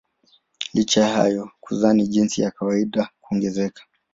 Licha ya hayo kuzaa ni jinsi ya kawaida ya kuongezeka.